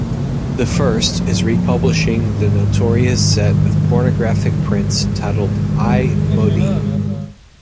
The first is republishing the notorious set of pornographic prints titled "I Modi".